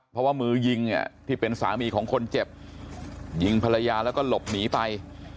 เพราะว่ามือยิงเนี่ยที่เป็นสามีของคนเจ็บยิงภรรยาแล้วก็หลบหนีไป